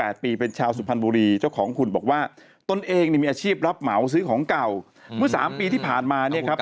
เป็นชาวสุพรรณบุรีเจ้าของหุ่นบอกว่าตนเองเนี่ยมีอาชีพรับเหมาซื้อของเก่าเมื่อสามปีที่ผ่านมาเนี่ยครับ